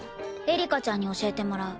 エリカちゃんに教えてもらう。